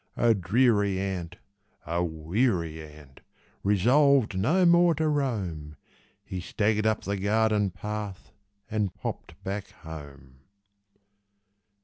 A dreary ant, a weary ant, resolved no more to roam, He staggered up the garden path and popped back home.